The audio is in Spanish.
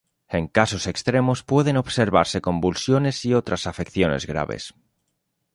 En casos extremos pueden observarse convulsiones y otras afecciones graves.